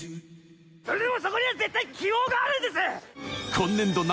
それでもそこには絶対希望があるんです！